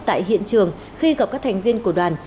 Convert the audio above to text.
tại hiện trường khi gặp các thành viên của đoàn